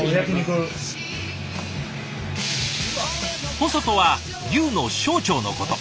ホソとは牛の小腸のこと。